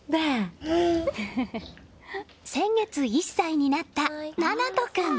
先月１歳になった七橙君。